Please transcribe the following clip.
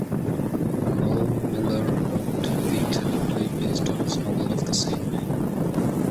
Merle Miller wrote the teleplay based on his novel of the same name.